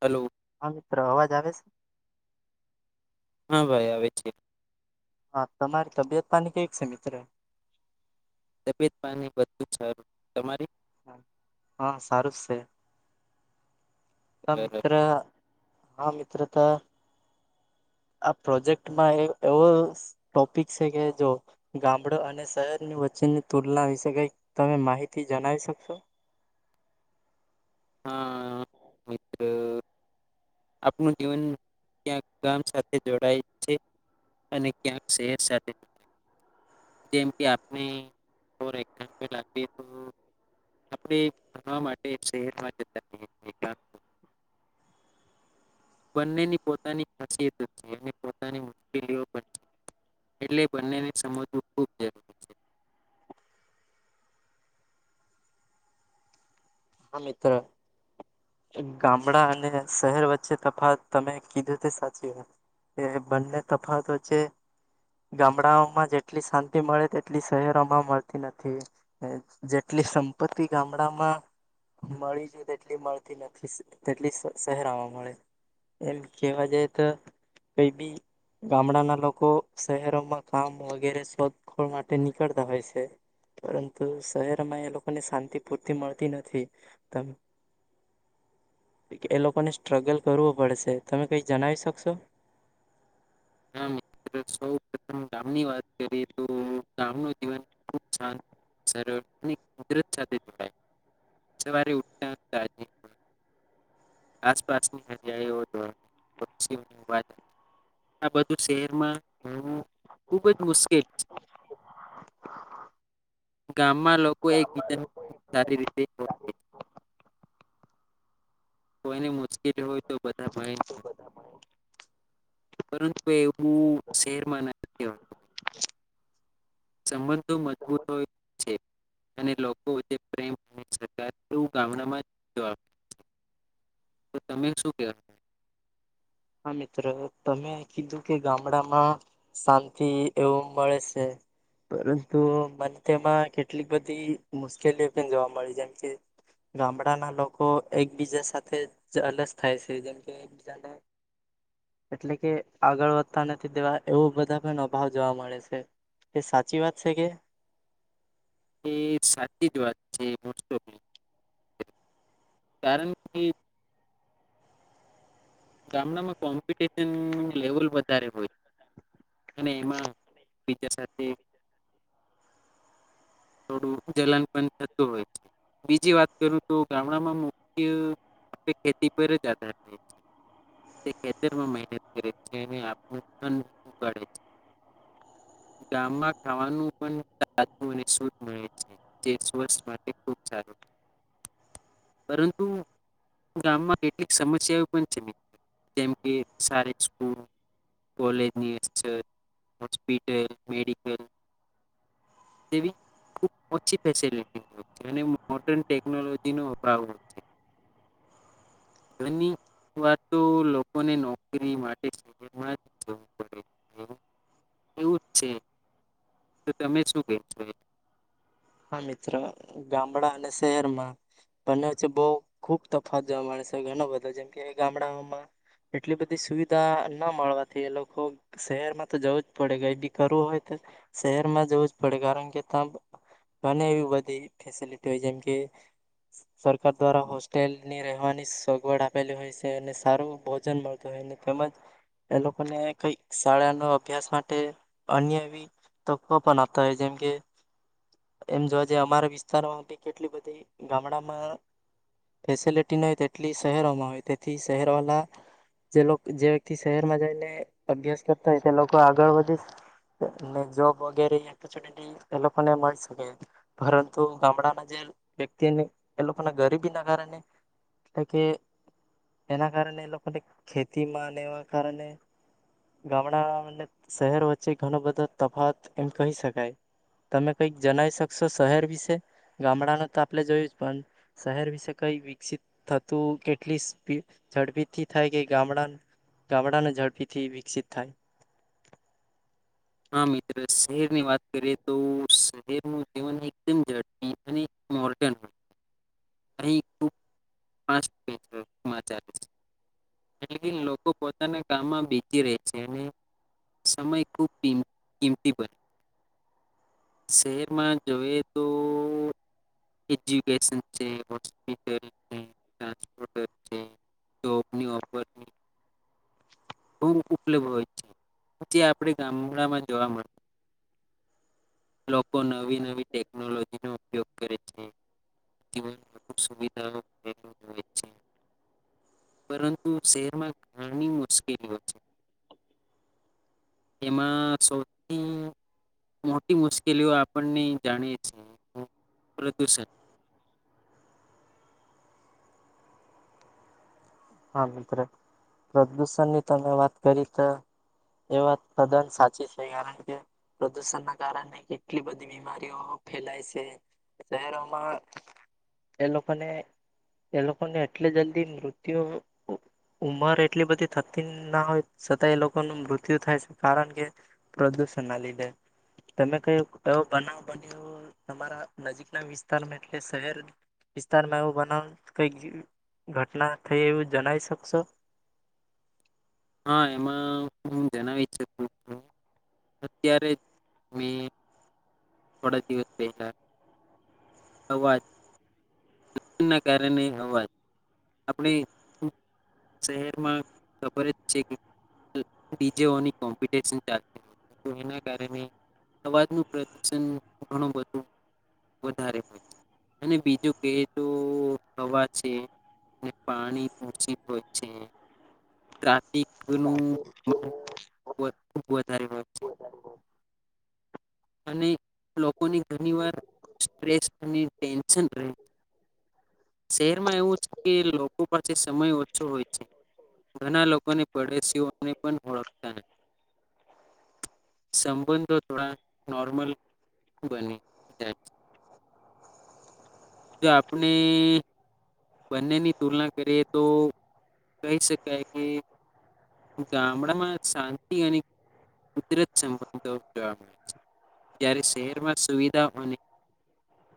Hello હા મિત્ર અવાજ આવે છે હા ભાઈ આવે છે હા તમારી તબિયત પાની કેવી છે મિત્ર તબિયત પાની બધુ જ સારું તમારી હા સારું જ સે આ બરાબર મિત્ર હા મિત્રતા આ પ્રોજેક્ટમાં એક એવો ટોપિક શે કે જો ગામડ અને શહેરની વચ્ચેની તુલના વિશે કઈ તમે માહિતી જણાવી શકશો હા આપનું જીવન ક્યાંક ગામ સાથે જોડાય છે અને ક્યાંક શહેર સાથે જેમ કે આપને [unintelligible] આપણે ભણવા માટે શહેરમાં જતા [unintelligible] બંનેની પોતાની ખાસિયત છે અને પોતાની મુશ્કેલીઓ પણ છે એટલે બંનેને સમજવું ખૂબ જરૂરી છે હા મિત્ર ગામડા અને શહેર વચ્ચે તફાવત તમે કીધું તે સાચી કે બંને તફાવત વચ્ચે ગામડાઓમાં જેટલી શાંતિ મળે તેટલી શહેરોમાં મળતી નથી જેટલી સંપત્તિ ગામડામાં મળી છે તેટલી મળતી નથી તેટલી શહેરામાં મળે એમ કેવા જાય તો કઈ બી ગામડાના લોકો શહેરોમાં કામ વગેરે શોધખોળ માટે નીકળતા હોય છે પરંતુ શહેરમાં એ લોકોને શાંતિ પૂરતી મળતી નથી તમે એ લોકોને સ્ટ્રગલ કરવું પડશે તમે કઈ જણાવી શકશો હા મિત્ર સૌ પ્રથમ ગામની વાત કરીએ તો ગામનું જીવન ખૂબ શાંત સરળ અને કુદરત સાથે જોડાયેલ હોય સવારે ઉઠતા તાજી હવા, આસપાસની જગ્યાએ [inaudible] આ બધું શહેરમાં હોઉં ખુબ જ મુશ્કેલ છે હા ગામમાં લોકો એકબીજાને સારી રીતે [inaudible] કોઈ ને મોં [unintelligible] હોય તો બધા ભાઈ પરંતુ કે એવું શેરમાં નથી રેવાનું સંબંધો મજબૂત હોય છે અને લોકો વચ્ચે પ્રેમ અને સરકાર એવું ગામડામાં [inaudible] તો તમે શું કહેવા હા મિત્રતમે કીધું કે ગામડામાં શાંતિ એવું મળે શે પરંતુ મને તેમાં કેટલીક બધી મુશ્કેલીઓ પણ જોવા મળે જેમકે ગામડાના લોકો એકબીજા સાથે જલસ થાય છે જેમકે એકબીજાને એટલે કે આગળ વધતા નથી દેવા એવું બધા પણ અભાવ જોવા મળે છે એ સાચી વાત છે કે એ સાચી જ વાત છે [unintelligible] કારણ કે ગામમાં કોમ્પિટશન લેવલ વધારે હોય છે અને એમાં બીજા સાથે થોડું જલન પણ થતું હોય છે બીજી વાત કરું તો ગામડામાં મુખ્ય ખેતી પર જ આધાર છે તે ખેતરમાં મહેનત કરે ગામમાં [unintelligible] ગામમાં ખાવાનું પણ સાદું અને શુદ્ધ મળે છે જે સ્વસ્થ માટે ખુબ સારુ પરંતુ ગામમાં કેટલીક સમસ્યાઓ પણ છે જેમ કે સારી સ્કૂલ કોલેજની [unintelligible] હોસ્પિટલ મેડિકલ તેવી ખૂબ ઓછી ફેસીલીટી મળે અને મોર્ડન ટેકનોલોજી નો અભાવ હોય છે [unintelligible] વાત તો લોકોને નોકરી માટે શહેરમાં જ જવું પડે એવું છે તો તમે શું કહે [unintelligible] હા મિત્ર ગામડા અને શહેરમાં બંને વચ્ચે બો ખુબ તફાવત જોવા મળે શે ઘણા બધો જેમ કે ગામડામાં એટલી બધી સુવિધા ના મળવાથી એ લોકો શહેરમાં તો જવું જ પડે કઈ બી કરવું હોય તો શહેરમાં જવું જ પડે કારણ કે ત્યા ઘણી એવી બધી ફેસિલિટી હોય જેમકે સરકાર દ્વારા હોસ્ટેલની રહેવાની સગવડ આપેલી હોય શે અને સારું ભોજન મળતું હોય તેમજ એ લોકોને કઈક શાળાનો અભ્યાસ માટે અન્ય એવી તકો પણ આપતા હોય જેમકે એમ જોવા જે અમારા વિસ્તારમાં કેટલી બધી ગામડામાં ફેસલિટી ન હોય તેટલી શહેરોમાં હોય તેથી શહેર વાળ જે જે વ્યક્તિ શહેરમાં જઈને અભ્યાસ કરતા હોય તે લોકો આગળ વધી ને જોબ વગેરે ઓપચુનિટી એ લોકોને મળશે પરંતુ ગામડાના જે વ્યક્તિને એ લોકોના ગરીબી ના કારણે એટલે કે એના કારણે એ લોકોને ખેતીમાં એવા કારણે ગામડા શહેર વચ્ચે ઘણો બધો તફાવત એમ કહી શકાય તમે કઈ જણાઈ શકશો શહેર વિશે ગામડાને તો આપણે જોયું જ પણ શહેર વિશે કઈ વિકસિત થતું કેટલી સ્પી ઝડપીથી થાય કે ગામડા ગામડાને ઝડપીથી વિકસિત થાય હા મિત્ર શહેરની વાત કરીએ તો શહેરનું જીવન એકદમ ઝડપી અને મોડન અહી [unintelligible] લોકો પોતાના કામમાં બીજી રહે છે અને સમય ખૂબ [unintelligible] શહેરમાં જોઈ તો એજ્યુકેશન છે હોસ્પિટલ છે [unintelligible] જોબની ઓપોર્ચ્યુનિટી છે [unintelligible] આપ ગામડા માં જોવા મળે લોકો નવી નવી ટેકનોલોજી નો ઉપયોગ કરે છે સુવિધાઓ છે પરંતુ શહેરમાં ઘણી મુશ્કેલીઓ છે એમાં સૌથી મોટી મુશ્કેલીઓ આપણને જાણીએ છીએ પ્રદૂષણ હા મિત્ર પ્રદુષણની તમે વાત કરી તો એ વાત તદનંત સાચી છે કારણ કે પ્રદુષણ ના કારણે કેટલી બધી બીમારીઓ ફેલાય છે શહેરોમાં એ લોકોને એ લોકોને એટલી જલ્દી મૃતુ તે ઉંમર એટલી બધી થતી ના હોય છતાંય એ લોકોનું મૃત્યુ થાય છે કારણ કે પ્રદૂષણના લીધે તમે કહ્યું એવો બનાવ બન્યો તમારા નજીકના વિસ્તારમાં એટલે શહેર વિસ્તારમાં એવો બનાવ કંઈક ઘટના થઈ એવું જણાય શકશો હા એમાં હું જણાવીક [unintelligible] અત્યારે મે થડા જીવ [unintelligible] અવાજ વાજ આપણે શહેરમાં ખબર જ છે કેજ કોમ્પિટિશન ચાલતી હોય છે એના કારણે અવાજનું પ્રદ ઘણું બધું વધારે હોય છે અને બીજું કે હવા છે પાણી ઓછી હોય છે ટાફિક નુ ખુબ વધારે [unintelligible] અને લોકો ઘણી વારન [unintelligible] શહેરમાં એવું છે કે લોકો પાસે સમય ઓછો હોય છે ઘણા લોકોને પડેશીઓને પણ ઓળખતા નથી સંબંધો થોડા નોર્મલ બની જાય છે જો આપણી બંનેની તુલના કરીએ તો કહી શકાય કે ગામડામાં શાંતિ અને કુદરત સંબંધો જોવા મળે છે જ્યારે શહેરમાં સુવિધા અને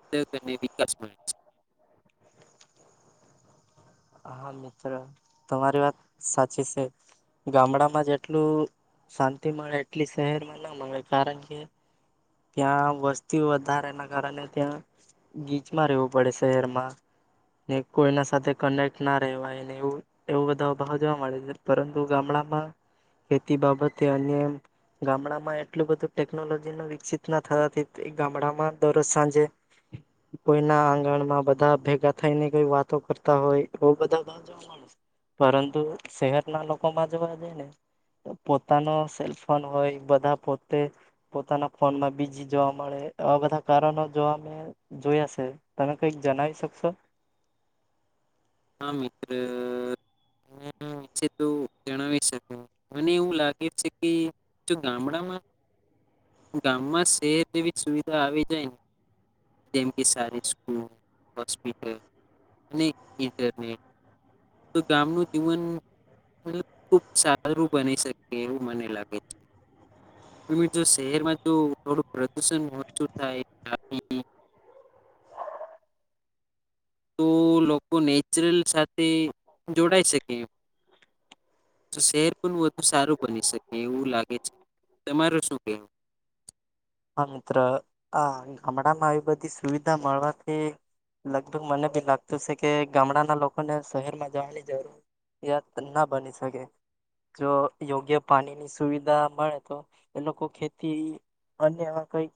ઉદ્યોગ અને વિકાસ મળે છે હા મિત્ર તમારી વાત સાચી છે ગામડામાં જેટલું શાંતિ મળે એટલી શહેરમાં ના કારણ કે ત્યાં વસ્તી વધારેના કારણે ત્યાં ગીચમાં રહેવું પડે શહેરમાં ને કોઈના સાથે કનેક્ટ ના રહેવાય એવુ બધા ભાવ જોવા મળે છે પરંતુ ગામડામાં ખેતી બાબતે અન્ય ગામડામાં એટલું બધું ટેકનોલોજી ન વિકસિત ના થવાથી ગામડામાં દરજ સાંજે કોઈના આંગણમાં બધા ભેગા થઈને કોઈ વાતો કરતા હોય એ બધા જોવા મળે પરંતુ શહેરના લોકોમાં જોવા જઈ ને પોતાનો સેલફોન હોય બધા પોતે પોતાના ફોનમાં બીજી જોવા મળે આવા બધા કારણો જોવામે જોયા છે તમે કઈક જણાવી શકશો હા મિત્ર હશે તો જણાવી શક મને એવું લાગે છે કે જો ગામડામાં ગામમાં શહેર જેવી સુવિધા આવી જાય ને જેમ કે સારી સ્કૂલ હોસ્પિટલ અને તો ગામનું જીવન ખુબ સારું બની શકે એવું મને લાગે છે [unintelligible] શહેરમાં જો થોડું પ્રદુષણ ઓછું થાય તો લોકો નેચરલ સાથે તે જોડાઈ શે તો સેર પેલું હ સારું બની શકે એવું લાગે છે તમારે શું કેવું હા મિત્ર આ ગામડામાં આવી બધી સુવિધા મળવાથી લગભગ મને બી લાગતું છે કે ગામડાના લોકોને શહેરમાં જવાની જરૂરિયાત ના બની શકે જો. યોગ્ય પાણીની સુવિધા મળે તો એ લોકો ખેતી અને કઈક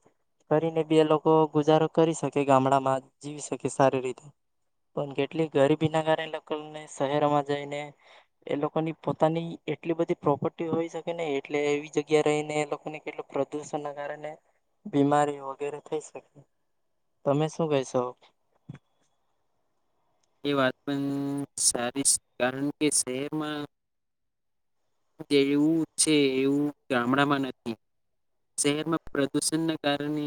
કરીને બી એ લોકો ગુજારો કરી શકે ગામડામાં જીવી શકે સારી રીતે પણ કેટલી ગરીબી ના કારણે એ લોકોને શહેરમાં જઈને એ લોકોની પોતાની એટલી બધી. પ્રોપર્ટી હોય શકે નઈ એટલે એવી જગ્યા રહીને એ લોકોને કેટલ પ્રદુષણ ના કારણે બીમારી વગેરે થઈ શકે તમે શું કહેશો. એ વાત પણ સારી છે કારણ કે શહેરમાં જેવું છે એવું ગામડામાં નથી. શહેરમાં પ્રદુષણના કારણે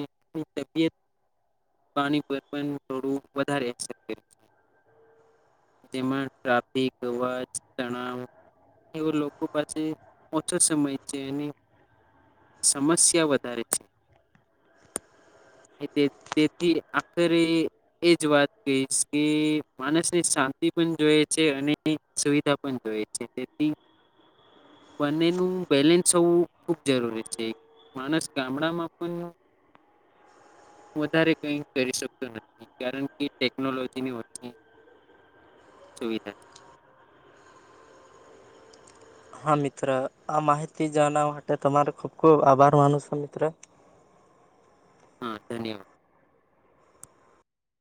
તબિયત પાણી પર થોડું વધારે જોવા એમાં ટાફીક અવાજ તાનાવ એવુ લોકો પાસે ઓછો સમય છે. સમસ્યા વધારે છે તેથી આખરે એજ વાત કહીશ કે માણસને શાંતિ પણ જોએ છે અને સુવિધા પણ જોઈ છે તેથી બનેનું બેલેન્સ હોવું ખૂબ જરૂરી છે. માણસ ગામડામાં પણ વધારે કઈ કરી શકતો નથી કારણ કે ટેકનોલોજીની [unintelligible] સુવિધા હા મિત્ર આ માહિતી જાણવા માટે તમારે ખૂબ ખૂબ આભાર માનું છું મિત્ર. હા ધન્યવાદ.